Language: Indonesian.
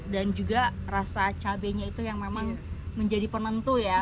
dan juga rasa cabenya itu yang memang menjadi penentu ya